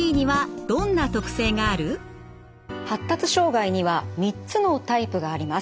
発達障害には３つのタイプがあります。